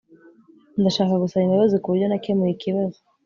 ndashaka gusaba imbabazi kuburyo nakemuye ikibazo